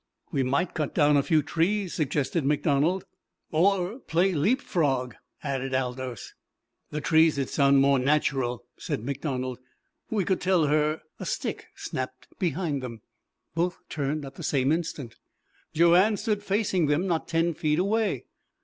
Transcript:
"We might cut down a few trees," suggested MacDonald. "Or play leap frog," added Aldous. "The trees'd sound more natcherel," said MacDonald. "We could tell her " A stick snapped behind them. Both turned at the same instant. Joanne stood facing them not ten feet away.